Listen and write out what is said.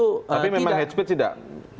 tapi memang hate speech tidak